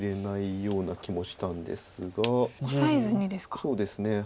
そうですね。